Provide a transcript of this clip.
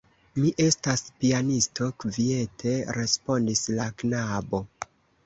Mi estas pianisto, kviete respondis la knabo.